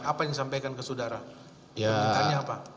apa yang disampaikan ke saudara